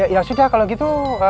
ya sudah kalau gitu